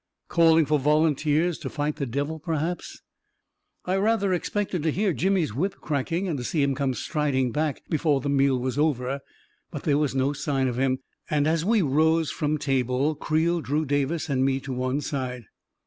Calling for volunteers to fight the devil, perhaps ... I rather expected to hear Jimmy's whip cracking and to see him come striding back, before the meal was over; but there was no sign of him, and as we rose from table, Creel drew Davis and me to one side.